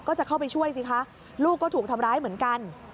จะเข้าไปช่วยสิคะลูกก็ถูกทำร้ายเหมือนกัน